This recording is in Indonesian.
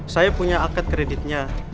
saya punya angkat kreditnya